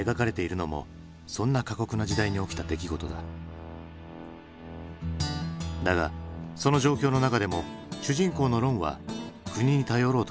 だがその状況の中でも主人公のロンは国に頼ろうとはしない。